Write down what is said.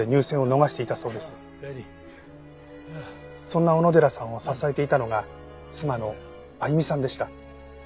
そんな小野寺さんを支えていたのが妻の亜由美さんでした。